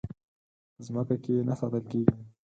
په ځمکه کې نه ساتل کېږي.